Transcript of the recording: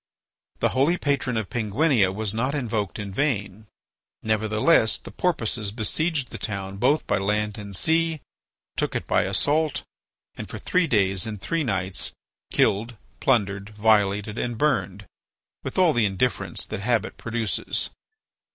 The holy patron of Penguinia was not invoked in vain. Nevertheless, the Porpoises besieged the town both by land and sea, took it by assault, and for three days and three nights killed, plundered, violated, and burned, with all the indifference that habit produces.